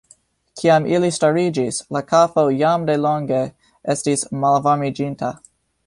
Kiam ili stariĝis, la kafo jam delonge estis malvarmiĝinta.